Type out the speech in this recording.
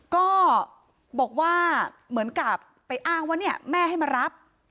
ก็บอกว่าเหมือนกับไปอ้างว่าเนี่ยแม่ให้มารับ